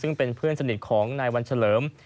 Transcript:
ซึ่งเป็นเพื่อนสนิทของนายวันเฉลิม